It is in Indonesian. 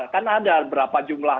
kan ada berapa jumlah